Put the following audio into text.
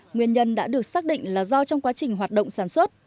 nguyên nhân đã được xác định là do trong quá trình hoạt động sản xuất